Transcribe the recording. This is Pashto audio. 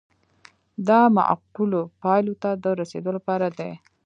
دا معقولو پایلو ته د رسیدو لپاره دی.